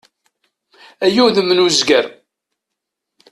Ay udem n uzger!